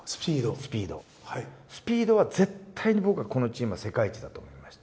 スピードは絶対に僕はこのチームは世界一だと思いました。